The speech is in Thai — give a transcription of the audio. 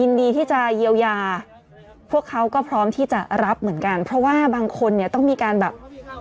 ยินดีที่จะเยียวยาพวกเขาก็พร้อมที่จะรับเหมือนกันเพราะว่าบางคนเนี่ยต้องมีการแบบ